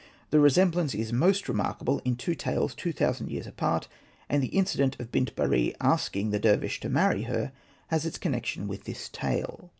The resemblance is most remarkable in two tales two thousand years apart ; and the incident of Bint Bari asking the dervish to marry her has its connection with this tale.